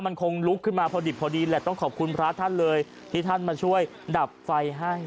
มันคงลุกขึ้นมาพอดิบพอดีแหละต้องขอบคุณพระท่านเลยที่ท่านมาช่วยดับไฟให้